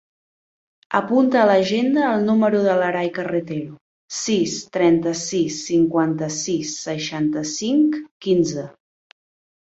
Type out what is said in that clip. Apunta a l'agenda el número de l'Aray Carretero: sis, trenta-sis, cinquanta-sis, seixanta-cinc, quinze.